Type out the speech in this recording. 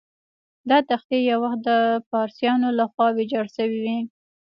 دا تختې یو وخت د پارسیانو له خوا ویجاړ شوې وې.